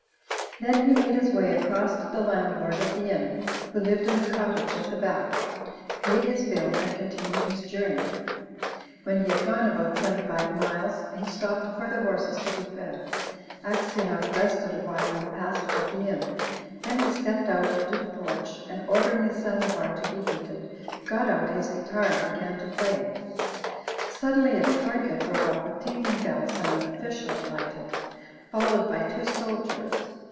Then he made his way across to the landlord of the inn (who lived in a cottage at the back), paid his bill, and continued his journey. When he had gone about twenty five miles, he stopped for the horses to be fed. Aksionov rested awhile in the passage of the inn, then he stepped out into the porch, and, ordering a samovar to be heated, got out his guitar and began to play. Suddenly a troika drove up with tinkling bells and an official alighted, followed by two soldiers.